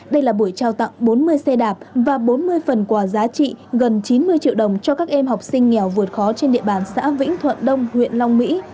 đây là buổi trao tặng bốn mươi xe đạp và bốn mươi phần quà giá trị gần chín mươi triệu đồng cho các em học sinh nghèo vượt khó trên địa bàn xã vĩnh thuận đông huyện long mỹ